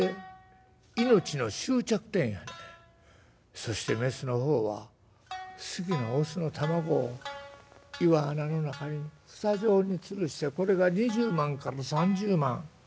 そしてメスの方は好きなオスの卵を岩穴の中に房状につるしてこれが２０万から３０万。